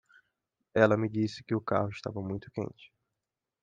Ela me disse que o carro estava muito quente.